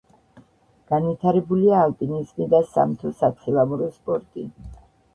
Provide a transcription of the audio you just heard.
განვითარებულია ალპინიზმი და სამთო-სათხილამურო სპორტი.